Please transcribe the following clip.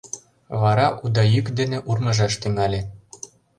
Вара уда йӱк дене урмыжаш тӱҥале: